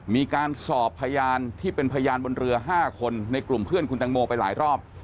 มีการสอบพยานที่เป็นพยานบนเรือ๕คนในกลุ่มเพื่อนคุณตังโมไปหลายรอบ